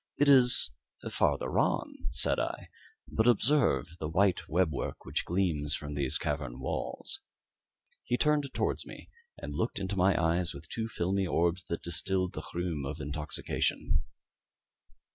"It is farther on," said I; "but observe the white web work which gleams from these cavern walls." He turned towards me, and looked into my eyes with two filmy orbs that distilled the rheum of intoxication.